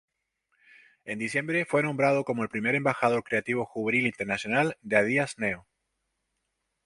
En diciembre fue nombrado como el primer Embajador Creativo Juvenil Internacional de Adidas Neo.